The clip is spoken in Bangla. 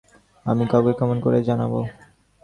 আমার মধ্যে এ যে কত আশ্চর্য সে আমি কাউকে কেমন করে জানাব।